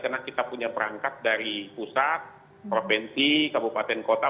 karena kita punya perangkat dari pusat provinsi kabupaten kota